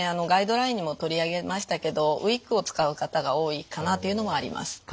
ガイドラインにも取り上げましたけどウイッグを使う方が多いかなというのもあります。